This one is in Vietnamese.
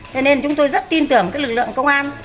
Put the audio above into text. thế nên chúng tôi rất tin tưởng các lực lượng công an